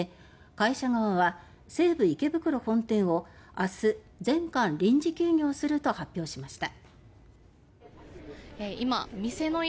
会社側は西武池袋本店を明日、全館臨時休業すると発表しました。